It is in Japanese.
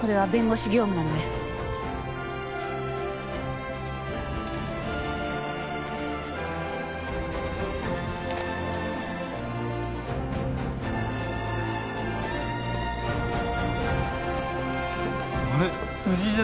これは弁護士業務なのであれ藤井じゃね？